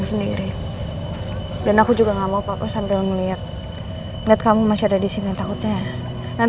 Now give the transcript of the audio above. sampai jumpa di video selanjutnya